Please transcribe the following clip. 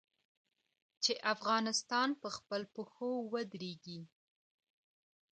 چې افغانستان په خپلو پښو ودریږي.